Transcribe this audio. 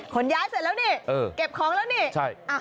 ขนย้ายเสร็จแล้วนี่เก็บของแล้วนี่ใช่